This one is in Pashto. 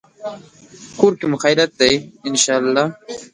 کور کې مو خیریت دی، ان شاءالله